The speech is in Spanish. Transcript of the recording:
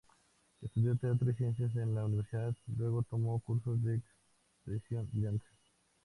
Estudió teatro y ciencias en la universidad, luego tomó cursos de expresión y danza.